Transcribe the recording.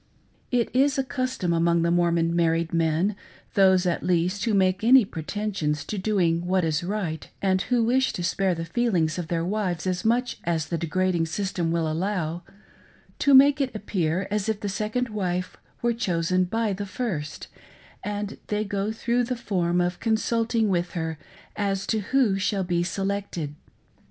It is a custom among the Mormon married men — those at least who make any pretensions to doing what is right and who wish to spare the feelings of their wives as much as the degrading system will allow — to make it appear as if the sec ond wife were chosen by the first, and they go through the form of consulting with her as to who shall be selected.